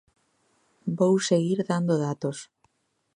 Vou seguir dando datos.